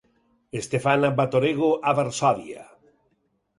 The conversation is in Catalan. Stefana Batorego a Varsòvia.